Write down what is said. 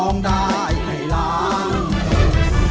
ร้องได้ให้ล้าน